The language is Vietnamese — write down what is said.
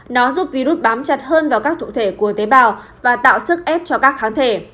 nó giúp virus bám chặt hơn vào các thủ thể của tế bào và tạo sức ép cho các kháng thể